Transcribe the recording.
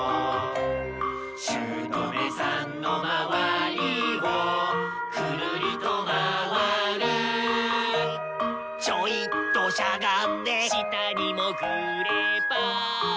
「姑さんのまわりをくるりとまわる」「ちょいとしゃがんで」「下にもぐれば」